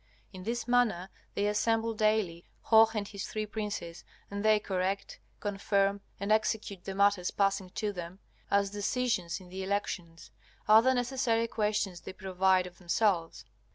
In this manner they assemble daily, Hoh and his three princes, and they correct, confirm, and execute the matters passing to them, as decisions in the elections; other necessary questions they provide of themselves.